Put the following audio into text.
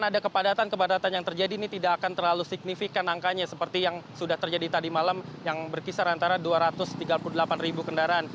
dan ada kepadatan kepadatan yang terjadi ini tidak akan terlalu signifikan angkanya seperti yang sudah terjadi tadi malam yang berkisar antara dua ratus tiga puluh delapan ribu kendaraan